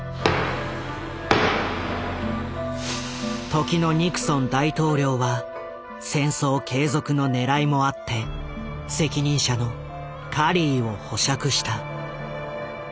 時のニクソン大統領は戦争継続のねらいもあって責任者のカリーを保釈した。